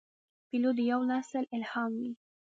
پیلوټ د یوه نسل الهام وي.